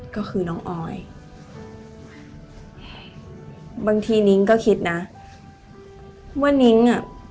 ก็คือน้องออยบางทีนิ้งก็คิดนะว่านิ้งอ่ะ